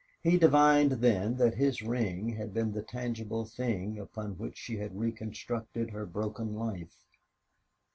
He divined then that his ring had been the tangible thing upon which she had reconstructed her broken life.